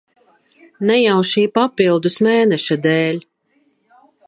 Ne jau šī papildus mēneša dēļ.